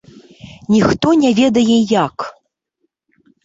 Ніхто не ведае як.